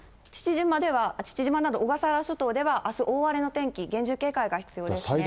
父島など、小笠原諸島ではあす大荒れの天気、厳重警戒必要ですね。